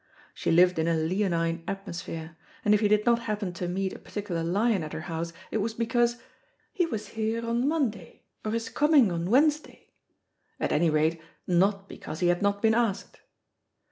She lived in a leonine atmosphere, and if you did not happen to meet a particular lion at her house, it was because "he was here on Monday, or is coming on Wednesday"; at any rate, not because he had not been asked.